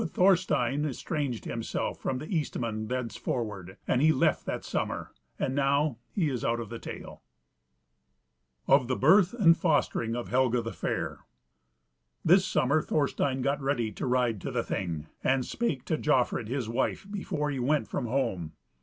But Thorstein estranged himself from the Eastman thenceforward, and he left that summer, and now he is out of the tale. CHAPTER III. Of the Birth and Fostering of Helga the Fair. This summer Thorstein got ready to ride to the Thing, and spake to Jofrid his wife before he went from home.